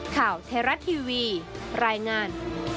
ข่าวเทราะทีวีรายงาน